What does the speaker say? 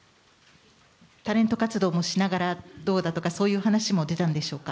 タレント活動もしながらどうだとか、そういう話も出たんでしょうか？